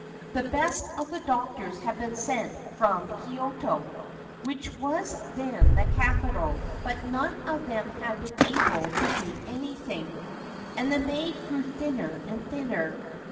The best of the doctors had been sent from Kyoto, which was then the capital ; but none of them had been able to do anything, and the maid grew thinner and thinner.